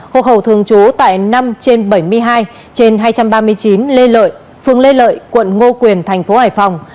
hộ khẩu thường trú tại năm trên bảy mươi hai trên hai trăm ba mươi chín lê lợi phường lê lợi quận ngô quyền thành phố hải phòng